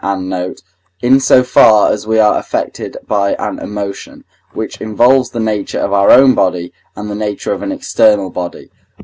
and note) in so far as we are affected by an emotion, which involves the nature of our own body, and the nature of an external body.